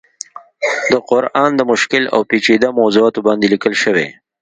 د قرآن د مشکل او پيچيده موضوعاتو باندې ليکلی شوی